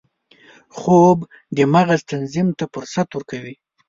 خوب د مغز تنظیم ته فرصت ورکوي